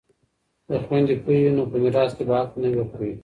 که خویندې پوهې وي نو په میراث کې به حق نه ورکوي.